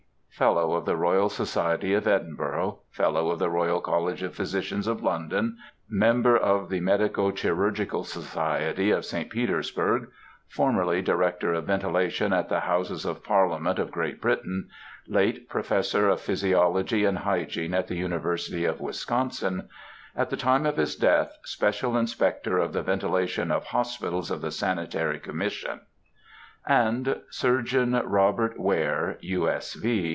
Fellow of the Royal Society of Edinburgh; Fellow of the Royal College of Physicians of London; Member of the Medico Chirurgical Society of St. Petersburg; formerly Director of Ventilation at the Houses of Parliament of Great Britain; late Professor of Physiology and Hygiene at the University of Wisconsin; at the time of his death, Special Inspector of the Ventilation of Hospitals of the Sanitary Commission;—and Surgeon ROBERT WARE, U. S. V.